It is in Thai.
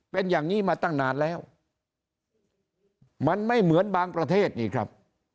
เป็นอย่างนี้มาตั้งนานแล้วมันไม่เหมือนบางประเทศนี่ครับ